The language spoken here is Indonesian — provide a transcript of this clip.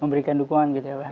memberikan dukungan gitu ya pak